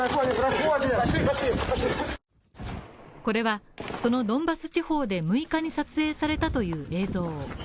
これは、そのドンバス地方で６日に撮影されたという映像。